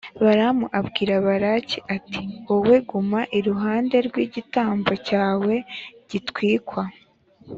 balamu abwira balaki, ati «wowe guma iruhande rw’igitambo cyawe gitwikwa.